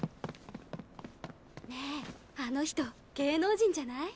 ねえあの人芸能人じゃない？